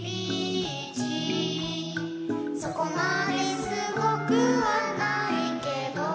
「そこまですごくはないけど」